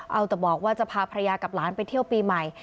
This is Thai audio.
เอาแต่บอกว่าจะพาภรรยากับหลานไปเที่ยวปีใหม่